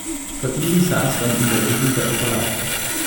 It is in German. Vor diesem saß dann in der Regel der Operator.